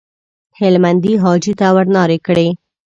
هلمندي حاجي ته ورنارې کړې.